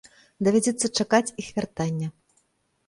Давядзецца чакаць іх вяртання.